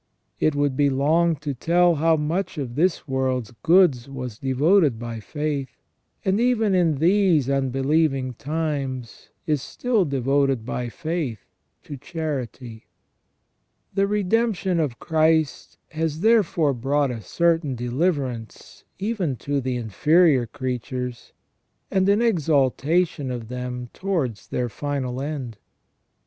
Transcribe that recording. It would be long to tell how much of this world's goods was devoted by faith, and even in these unbelieving times is still devoted by faith, to charity. The redemption of Christ has therefore brought a certain de liverance even to the inferior creatures, and an exaltation of them towards their final end.